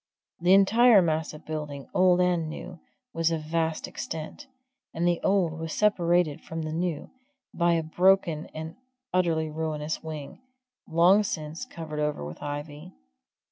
The entire mass of building, old and new, was of vast extent, and the old was separated from the new by a broken and utterly ruinous wing, long since covered over with ivy.